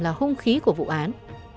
là hung khí của vụ án